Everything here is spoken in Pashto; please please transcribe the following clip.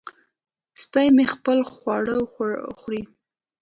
سپی مې خپل خواړه خوري.